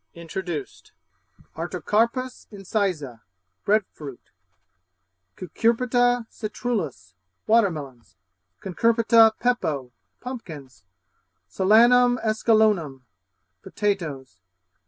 INTRODUCED Artocarpus incisa Bread fruit. Cucurbita citrullus Water melons Cucurbita pepo Pumpkins. Solanum esculenlum Potatoes.